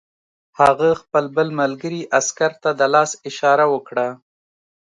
هغه خپل بل ملګري عسکر ته د لاس اشاره وکړه